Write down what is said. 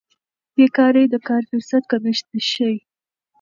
بیکاري د کار فرصت کمښت ښيي.